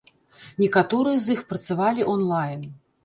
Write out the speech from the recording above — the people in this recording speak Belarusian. Некаторыя з іх працавалі онлайн.